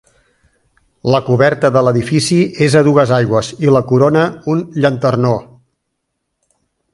La coberta de l'edifici és a dues aigües i la corona un llanternó.